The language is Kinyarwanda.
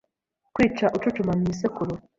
Kwica ucucuma mu isekuru